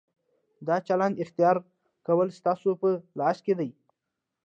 د چلند اختیار کول ستاسو په لاس کې دي.